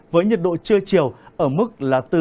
với nhiệt độ trưa chiều ở mức là từ ba mươi một ba mươi bốn độ